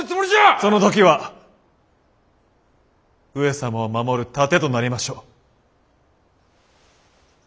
その時は上様を守る盾となりましょう。